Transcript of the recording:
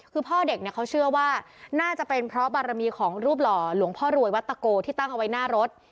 คือพ่อเด็กเนี่ยเขาเชื่อว่าน่าจะเป็นเพราะบารมีของรูปหล่อหลวงพ่อรวยวัตโกที่ตั้งเอาไว้หน้ารถ